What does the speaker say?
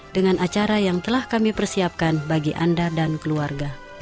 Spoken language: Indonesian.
dengan acara yang telah kami persiapkan bagi anda dan keluarga